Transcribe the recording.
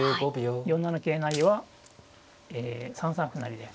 ４七桂成はえ３三歩成で。